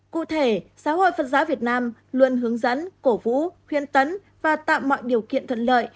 cụ thể giáo hội phật giáo việt nam luôn hướng dẫn cổ vũ khuyên tấn và tạo mọi điều kiện thuận lợi